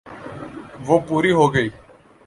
وہ پوری ہو گئی۔